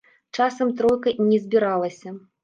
Часам тройка і не збіралася.